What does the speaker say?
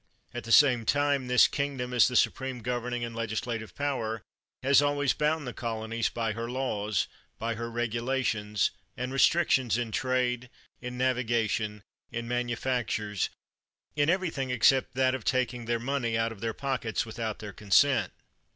At the same time, this kingdom, as the supreme governing and legislative power, has always bound the colonies by her laws, by her regulations, and restrictions in trade, in navi gation, in manufactures, in every thing, except that of taking their money out of their pockets without their consent.